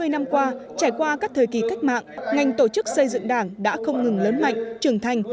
sáu mươi năm qua trải qua các thời kỳ cách mạng ngành tổ chức xây dựng đảng đã không ngừng lớn mạnh trưởng thành